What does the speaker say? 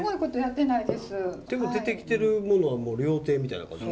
でも出てきてるものはもう料亭みたいな感じ。